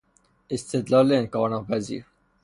استدلال انکار ناپذیر